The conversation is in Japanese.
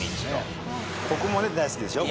ここもね大好きでしょ？